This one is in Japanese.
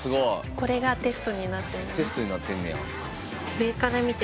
これがテストになってます。